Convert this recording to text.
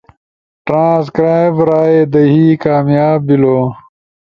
ٹرانسکرائب رائے دہی کامیاب بیلو